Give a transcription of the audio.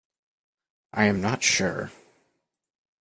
I am not sure.